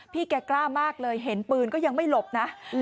แกกล้ามากเลยเห็นปืนก็ยังไม่หลบนะ